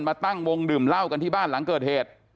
มาตั้งวงดื่มเหล้ากันที่บ้านหลังเกิดเหตุ